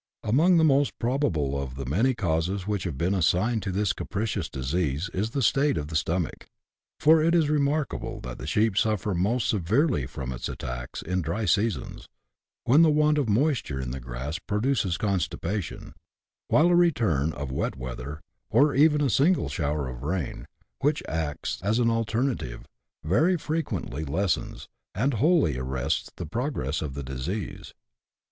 Among the most probable of the many causes which have been assigned of this capricious disease is the state of the stomach ; for it is remarkable that the sheep suffer most severely from its attacks in dry seasons, when the want of moisture in the grass produces constipation ; while a return of wet weather, or even a single shower of rain, which acts as an alterative, very frequently lessens, and often wholly arrests, the progress of the disease.